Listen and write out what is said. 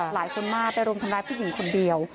หลายคนมากไปรุมทำร้ายผู้หญิงคนเดียว